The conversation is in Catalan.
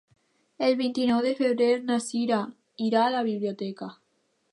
El vint-i-nou de febrer na Cira irà a la biblioteca.